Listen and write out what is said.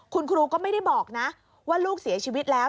คุณครูก็ไม่ได้บอกนะว่าลูกเสียชีวิตแล้ว